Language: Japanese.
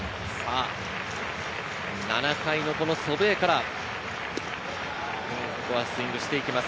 ７回の祖父江からスイングしていきます。